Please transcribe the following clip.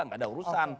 enggak ada urusan